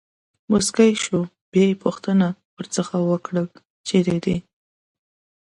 مسکی شو، بیا مې پوښتنه ورڅخه وکړل: چېرې دی.